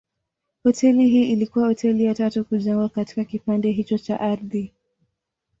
Hoteli hii ilikuwa hoteli ya tatu kujengwa katika kipande hicho cha ardhi.